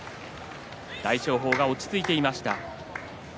大翔鵬、落ち着いていました。